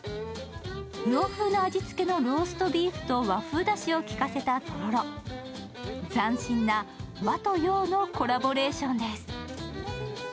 洋風な味つけのローストビーフと和風だしを効かせたとろろ、斬新な和と洋のコラボレーションです。